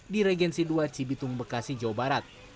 di regensi dua cibitung bekasi jawa barat